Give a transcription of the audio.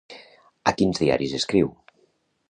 A quins diaris escriu?